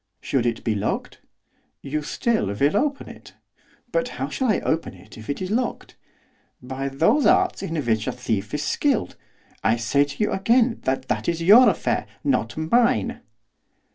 'Should it be locked?' 'You still will open it.' 'But how shall I open it if it is locked?' 'By those arts in which a thief is skilled. I say to you again that that is your affair, not mine.